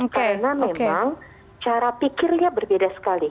karena memang cara pikirnya berbeda sekali